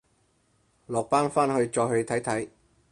落班翻去再去睇睇